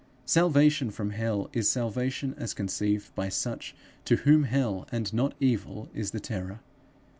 'Salvation from hell, is salvation as conceived by such to whom hell and not evil is the terror.'